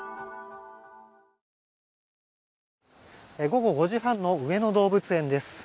午後５時半の上野動物園です。